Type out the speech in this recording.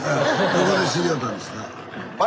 どこで知り合うたんですか？